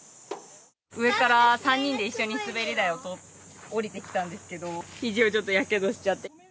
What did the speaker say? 上から３人で一緒に滑り台をこう、おりてきたんですけれども、ひじをちょっとやけどしちゃって。